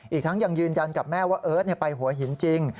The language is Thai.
อีกทั้งยังยืนยันกับแม่ว่าเอิร์ทไปหัวหินจริง